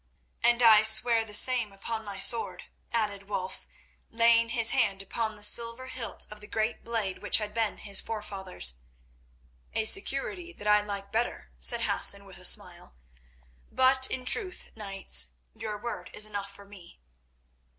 "And I swear the same upon my sword," added Wulf, laying his hand upon the silver hilt of the great blade which had been his forefather's. "A security that I like better," said Hassan with a smile, "but in truth, knights, your word is enough for me."